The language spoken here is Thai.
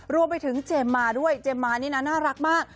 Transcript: รวมไปถึงเจมส์มาด้วยเจมส์มานี่นะน่ารักมาก